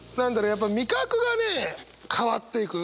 やっぱ味覚がね変わっていく。